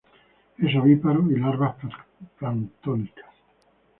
Es ovíparo y larvas planctónicas.